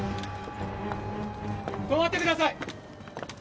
止まってください。